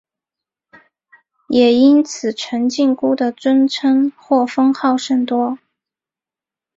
也因此陈靖姑的尊称或封号甚多。